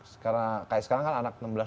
sekarang kan anak enam belas tujuh belas